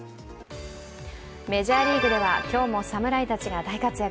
メジャーリーグでは今日も侍たちが大活躍。